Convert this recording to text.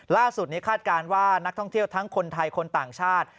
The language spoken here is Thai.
ล่าสุดนี้คาดการณ์ว่านักท่องเที่ยวทั้งคนไทยคนต่างชาติ